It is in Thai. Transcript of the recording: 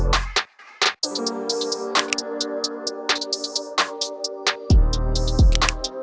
ไม่ถูก